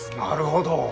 なるほど。